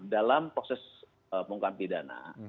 dalam proses pengukuman pidana